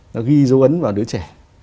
nó ghi dấu ấn vào đứa trẻ